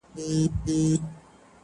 o نه گناه کوم، نه توبه کاږم٫